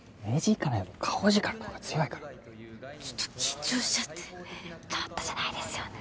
目力より顔力の方が強いからちょっと緊張しちゃってちょっとじゃないですよね